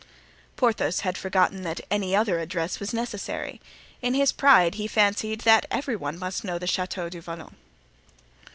Porthos had forgotten that any other address was necessary; in his pride he fancied that every one must know the Chateau du Vallon.